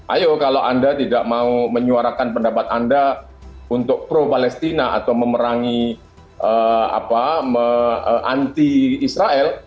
ayo kalau anda tidak mau menyuarakan pendapat anda untuk pro palestina atau memerangi anti israel